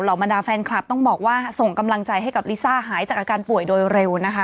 บรรดาแฟนคลับต้องบอกว่าส่งกำลังใจให้กับลิซ่าหายจากอาการป่วยโดยเร็วนะคะ